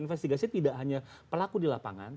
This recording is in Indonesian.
investigasi tidak hanya pelaku di lapangan